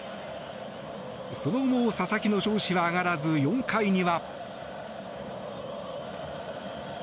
その後、佐々木の調子は上がらず４回には。